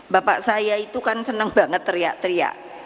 bapak saya itu kan senang banget teriak teriak